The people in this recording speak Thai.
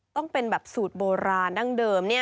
ต้องเป็นแบบสูตรโบราณดั้งเดิม